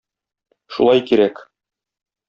Шулай кирәк!